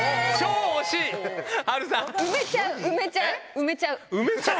埋めちゃう？